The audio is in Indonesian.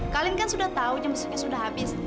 kalian kan sudah tahu jam besoknya sudah habis